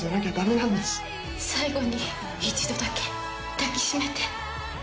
最後に一度だけ、抱きしめて。